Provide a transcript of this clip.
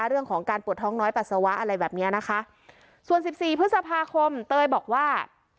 เรื่องของการปวดท้องน้อยปัสสาวะอะไรแบบเนี้ยนะคะส่วนสิบสี่พฤษภาคมเตยบอกว่า